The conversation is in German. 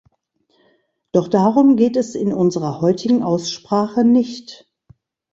Doch darum geht es in unserer heutigen Aussprache nicht.